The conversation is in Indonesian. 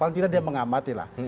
paling tidak dia mengamati lah